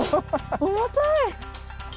重たい！